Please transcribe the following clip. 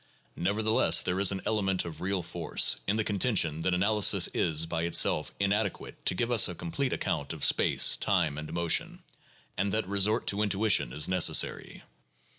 Nevertheless, there is an element of real force in the contention that analysis is by itself inadequate to give us a com plete account of space, time, and motion, and that resort to intui tion is necessary.